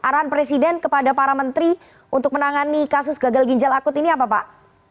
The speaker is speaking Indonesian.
arahan presiden kepada para menteri untuk menangani kasus gagal ginjal akut ini apa pak